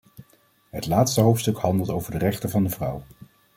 Het laatste hoofdstuk handelt over de rechten van de vrouw.